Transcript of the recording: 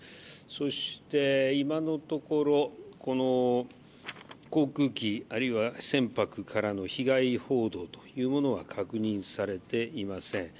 そして今のところ、この航空機あるいは船舶からの被害報道というものは確認されていません。